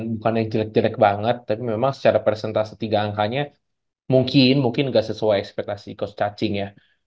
bukannya jelek jelek banget tapi memang secara persentase tiga angkanya mungkin nggak sesuai ekspektasi cost touching ya